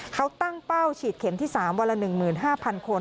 เขาตั้งเป้าฉีดเข็มที่๓วันละ๑๕๐๐คน